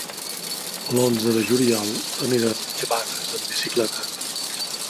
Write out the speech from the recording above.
L'onze de juliol anirem a Cabanes amb bicicleta.